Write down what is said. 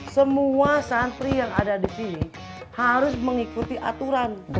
semua santri yang ada di sini harus mengikuti aturan